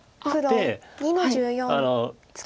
黒２の十四ツケ。